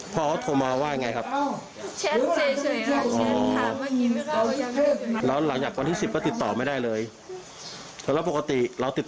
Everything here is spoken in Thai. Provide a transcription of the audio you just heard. พ่อเขาอยู่ที่ไหนครับ